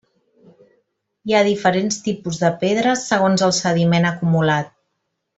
Hi ha diferents tipus de pedres segons el sediment acumulat.